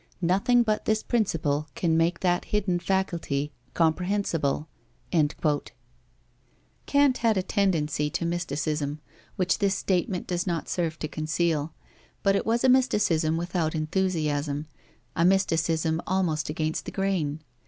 Nothing but this principle can make that hidden faculty comprehensible." Kant had a tendency to mysticism, which this statement does not serve to conceal, but it was a mysticism without enthusiasm, a mysticism almost against the grain.